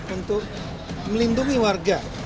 untuk melindungi warga